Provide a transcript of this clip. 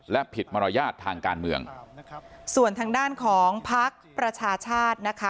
และผิดมารยาททางการเมืองส่วนทางด้านของพักประชาชาตินะคะ